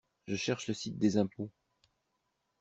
Je cherche le site des impôts